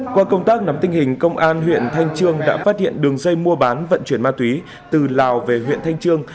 qua công tác nắm tình hình công an huyện thanh trương đã phát hiện đường dây mua bán vận chuyển ma túy từ lào về huyện thanh trương